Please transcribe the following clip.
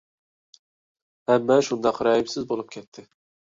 ھەممە شۇنداق رەھىمسىز بولۇپ كەتتى.